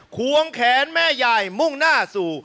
ควงแขนแม่ยายมุ่งหน้าสู่